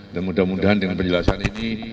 dan mudah mudahan dengan penjelasan ini